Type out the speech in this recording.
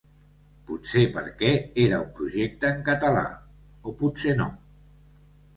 Potser perquè era un projecte en català, o potser no.